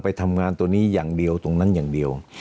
ไปทำงานตัวนี้อย่างเดียวตรงนั้นอย่างเดียว